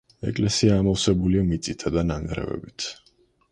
ეკლესია ამოვსებულია მიწითა და ნანგრევებით.